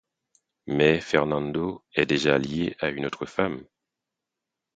Mais Fernando est déjà lié à une autre femme.